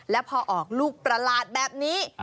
แล้วพอออกลูกประหลาดแบบนี้